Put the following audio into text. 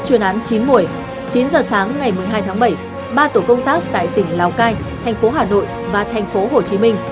chuyên án chín mùi chín giờ sáng ngày một mươi hai tháng bảy ba tổ công tác tại tỉnh lào cai thành phố hà nội và thành phố hồ chí minh